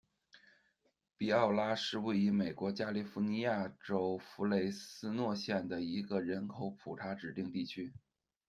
比奥拉是位于美国加利福尼亚州弗雷斯诺县的一个人口普查指定地区。